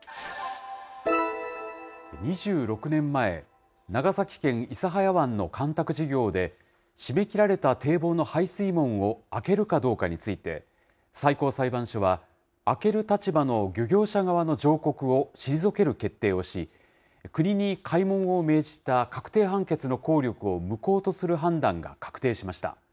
２６年前、長崎県諫早湾の干拓事業で、閉めきられた堤防の排水門を開けるかどうかについて、最高裁判所は、開ける立場の漁業者側の上告を退ける決定をし、国に開門を命じた確定判決の効力を無効とする判断が確定しました。